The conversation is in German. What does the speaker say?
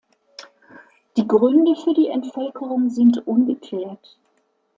Die Gründe für die Entvölkerung sind ungeklärt.